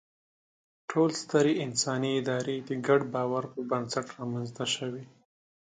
ټولې سترې انساني ادارې د ګډ باور پر بنسټ رامنځ ته شوې دي.